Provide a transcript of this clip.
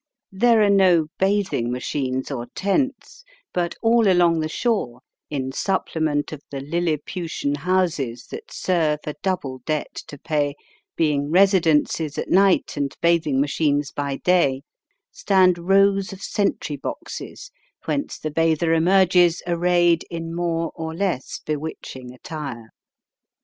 There are no bathing machines or tents; but all along the shore, in supplement of the liliputian houses that serve a double debt to pay being residences at night and bathing machines by day, stand rows of sentry boxes, whence the bather emerges arrayed in more or less bewitching attire.